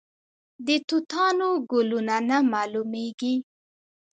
د توتانو ګلونه نه معلومیږي؟